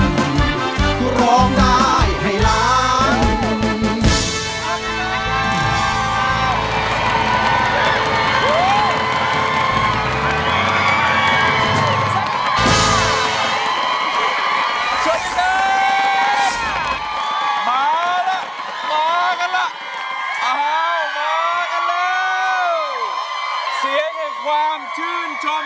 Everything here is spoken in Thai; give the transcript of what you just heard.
เสียงให้ความชื่นชม